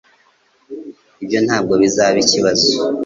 Ibyo ntabwo bizaba ikibazo.